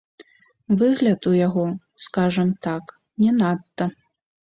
Выгляд у яго, скажам так, не надта.